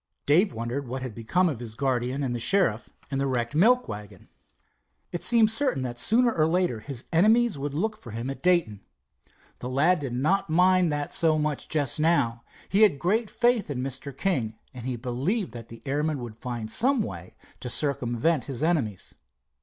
Dave wondered what had become of his guardian, and the sheriff, and the wrecked milk wagon. It seemed certain that sooner or later his enemies would look for him at Dayton. The lad did not mind that so much just now. He had great faith in Mr. King, and he believed that the airman would find some way to circumvent his enemies.